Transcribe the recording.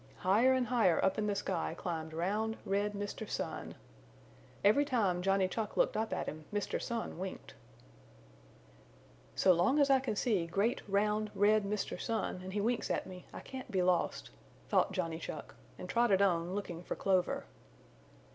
Higher and higher up in the sky climbed round, red Mr. Sun. Every time Johnny Chuck looked up at him Mr. Sun winked. "So long as I can see great round, red Mr. Sun and he winks at me I can't be lost," thought Johnny Chuck, and trotted on looking for clover.